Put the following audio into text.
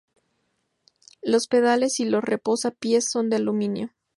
Los pedales y los reposa pies son de aluminio.